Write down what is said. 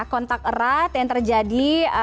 kontak erat yang terjadi